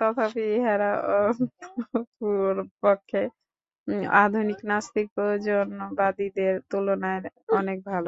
তথাপি ইহারা অন্ততঃপক্ষে আধুনিক নাস্তিক প্রয়োজনবাদীদের তুলনায় অনেক ভাল।